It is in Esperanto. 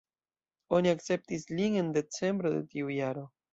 Oni akceptis lin en decembro de tiu jaro.